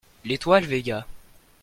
L'étoile Véga.